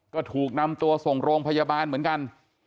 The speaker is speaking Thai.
ก็ถูกนำตัวส่งโรงพยาบาลเหมือนกัน